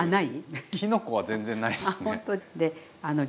きのこは全然ないですね。